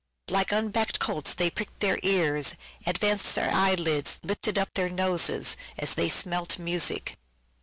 " Like unback'd colts they prick 'd their ears, Advanced their eyelids, lifted up their noses, As they smelt music."